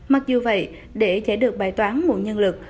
mặc dù vậy để giải được bài toán nguồn nhân lực